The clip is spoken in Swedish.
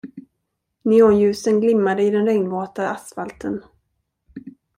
Neonljusen glimmade i den regnvåta asfalten.